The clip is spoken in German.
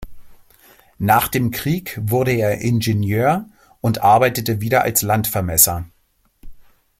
Nach dem Krieg wurde er Ingenieur und arbeitete wieder als Landvermesser.